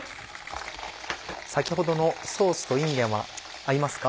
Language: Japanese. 先ほどのソースといんげんは合いますか？